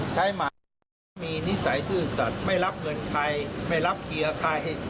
ใช่หมายความว่ามีนิสัยสื่อสัตว์ไม่รับเงินใครไม่รับเกียรติภัย